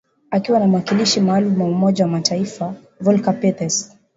Akiwa na mwakilishi maalum wa Umoja wa Mataifa, Volker Perthes